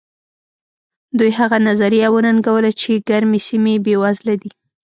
دوی هغه نظریه وننګوله چې ګرمې سیمې بېوزله دي.